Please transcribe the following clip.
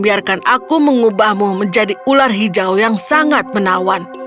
biarkan aku mengubahmu menjadi ular hijau yang sangat menawan